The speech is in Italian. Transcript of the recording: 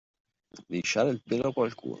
Lisciare il pelo a qualcuno.